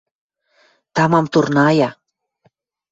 Тамам турная.